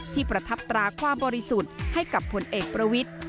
ประทับตราความบริสุทธิ์ให้กับผลเอกประวิทธิ์